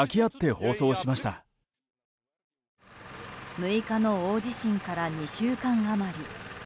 ６日の大地震から２週間余り。